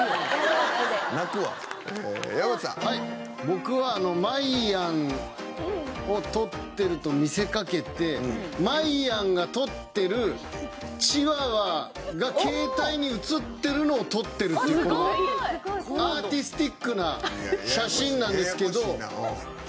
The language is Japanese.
僕はまいやんを撮ってると見せかけてまいやんが撮ってるチワワが携帯に写ってるのを撮ってるっていうこのアーティスティックな写真なんですけど。